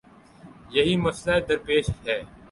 یہی مسئلہ درپیش ہے۔